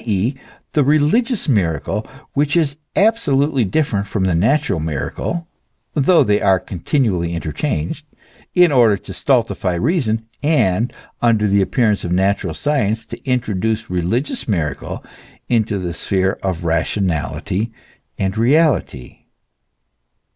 e., the religious miracle, which is absolutely dif ferent from the natural miracle, though they are continually interchanged, in order to stultify reason, and, under the ap pearance of natural science, to introduce religious miracle into the sphere of rationality and reality.